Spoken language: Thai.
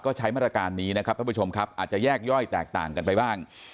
ก็ใช้มาตรการนี้ครับอาจจะแยกย่อยแตกต่างกันไปบ้าง